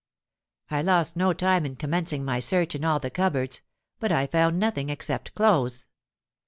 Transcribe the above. I lost no time in commencing my search in all the cupboards; but I found nothing except clothes.